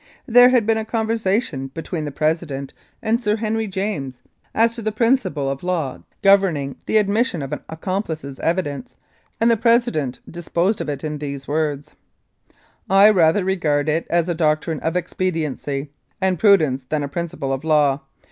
There had been a conversation between the President and Sir Henry 240 The Tucker Peach Murder James as to the principle of law governing the admis sion of an accomplice's evidence, and the President disposed of it in these words : "I rather regard it as a doctrine of expediency and prudence than a principle of law.